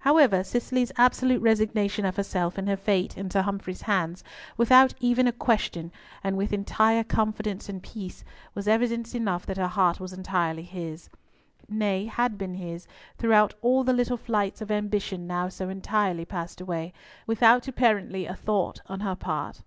However, Cicely's absolute resignation of herself and her fate into Humfrey's hands, without even a question, and with entire confidence and peace, was evidence enough that her heart was entirely his; nay, had been his throughout all the little flights of ambition now so entirely passed away, without apparently a thought on her part.